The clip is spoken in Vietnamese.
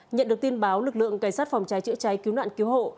nhận được tin báo lực lượng cảnh sát phòng cháy chữa cháy cứu nạn cứu hộ